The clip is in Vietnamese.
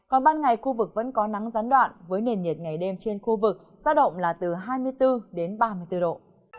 còn ban ngày khu vực vẫn có nắng gián đoạn với nền nhiệt ngày đêm trên khu vực giao động là từ hai mươi bốn đến ba mươi bốn độ